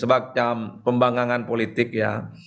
sebuah kecambang pembangangan politik ya